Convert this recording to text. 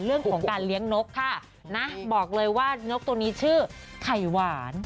เรื่องของการเลี้ยงนกค่ะนะบอกเลยว่านกตัวนี้ชื่อไข่หวาน